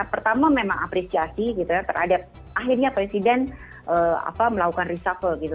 pertama memang apresiasi gitu ya terhadap akhirnya presiden melakukan reshuffle gitu